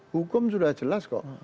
hukum sudah jelas kok